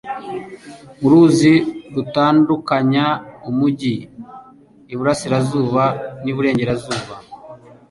Uruzi rutandukanya umujyi iburasirazuba n'iburengerazuba.